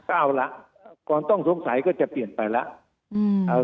เอาละก่อนต้องสงสัยก็จะเปลี่ยนไปแล้ว